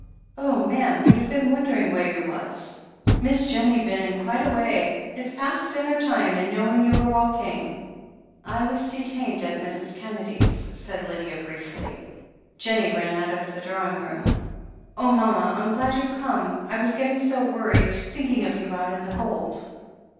"Oh, ma'am, we've been wondering where you was I THE HEEL OF ACHILLES 477 Miss Jennie's been in quite a way — it's past dinner time, and knowing you were walking " ^'I was detained at Mrs. Kennedy's/' said Lydia briefly. Jennie ran out of the drawing room. "Oh, mama ! I'm glad you've come — I was getting so worried, thinking of you out in the cold.